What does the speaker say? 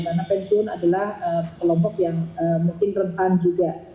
karena pensiun adalah kelompok yang mungkin rentan juga